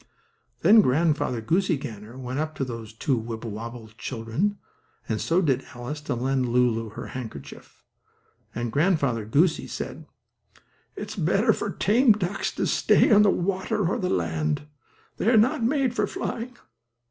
Then Grandfather Goosey Gander went up to those two Wibblewobble children, and so did Alice, to lend Lulu her handkerchief. And Grandfather Goosey said: "It is better for tame ducks to stay on the water, or on land. They were not made for flying."